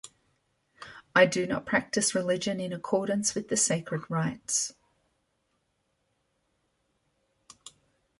'I do not practice religion in accordance with the sacred rites.